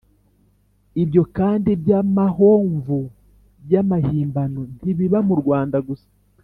ibyo kandi by’amahomvu y’amahimbano ntibiba mu rwanda gusa